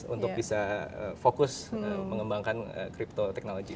untuk bisa fokus mengembangkan crypto technology